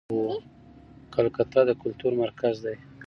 کلکته د کلتور مرکز دی.